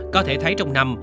có thể thấy trong năm